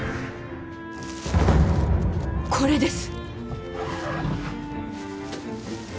これです！